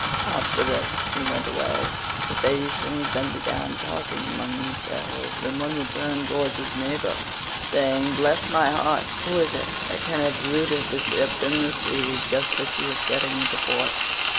After this he went away. The Phaeacians then began talking among themselves, and one would turn towards his neighbour, saying, "Bless my heart, who is it that can have rooted the ship in the sea just as she was getting into port?